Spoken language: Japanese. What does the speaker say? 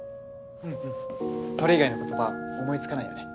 うんうんそれ以外の言葉思いつかないよね。